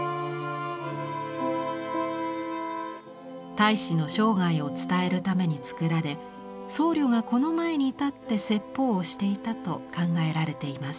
太子の生涯を伝えるために作られ僧侶がこの前に立って説法をしていたと考えられています。